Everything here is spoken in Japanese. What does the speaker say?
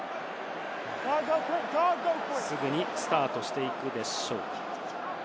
すぐにスタートしていくでしょうか。